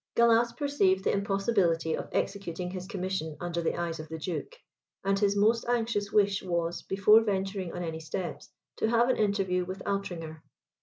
Gallas perceived the impossibility of executing his commission under the eyes of the duke; and his most anxious wish was, before venturing on any steps, to have an interview with Altringer.